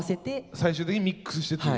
最終的にミックスしてという。